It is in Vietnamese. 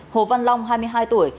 hồ văn long hai mươi hai tuổi